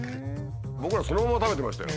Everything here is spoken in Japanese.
僕らそのまま食べてましたよ。